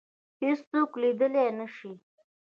هیڅوک لیدلای نه شي